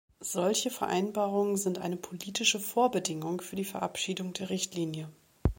Solche Vereinbarungen sind eine politische Vorbedingung für die Verabschiedung der Richtlinie.